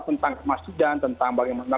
tentang masjid dan tentang bagaimana